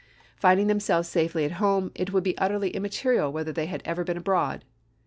Finding themselves safely at home, it would be utterly immaterial whether they had ever been abroad.